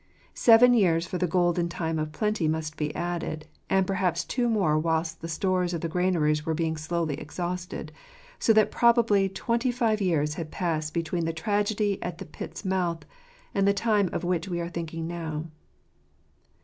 Seven years for the golden time of plenty must be added ■ and perhaps two more whilst the stores of the granaries were being slowly exhausted : so that prdbably twenty "five years had passed between the tragedy at the pit's mouth and the time of which we are thinking now.